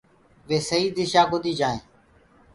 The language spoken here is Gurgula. وي سهيٚ دِشآ ڪوديٚ جآئين۔